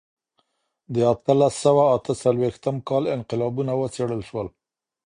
د اتلس سوه اته څلوېښتم کال انقلابونه وڅېړل سول.